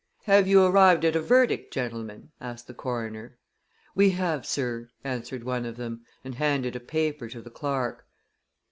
"Have you arrived at a verdict, gentlemen?" asked the coroner. "We have, sir," answered one of them, and handed a paper to the clerk.